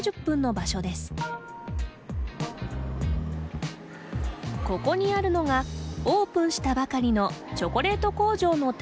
ここにあるのがオープンしたばかりのチョコレート工場の体験型施設。